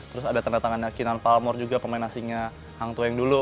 terus ada ternyata tangan yakinan palmor juga pemain asingnya hang tuah yang dulu